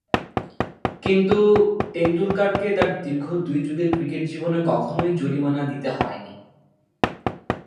কিন্তু টেন্ডুলকারকে তার দীর্ঘ দুই যুগের ক্রিকেট জীবনে কখনোই জরিমানা দিতে হয়নি।